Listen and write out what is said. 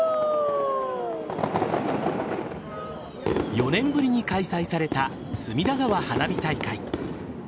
４年ぶりに開催された隅田川花火大会。